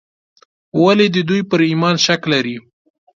ولې د دوی پر ایمان شک لري.